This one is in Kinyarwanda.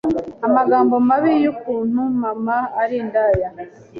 amagambo mabi y’ukuntu mama ari indaya